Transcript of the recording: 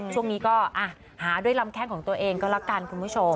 ช่วงนี้ก็หาด้วยลำแข้งของตัวเองก็แล้วกันคุณผู้ชม